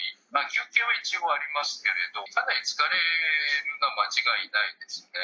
休憩は一応ありますけれど、かなり疲れるのは間違いないですね。